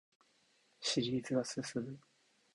シリーズが進む